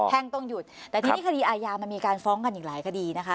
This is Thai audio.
่งต้องหยุดแต่ทีนี้คดีอายามันมีการฟ้องกันอีกหลายคดีนะคะ